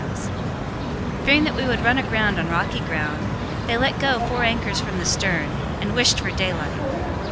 4 meters} 027:029 Fearing that we would run aground on rocky ground, they let go four anchors from the stern, and wished for daylight.